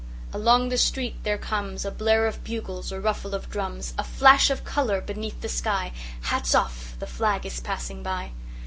Along the street there comesA blare of bugles, a ruffle of drums,A flash of color beneath the sky:Hats off! The flag is passing by!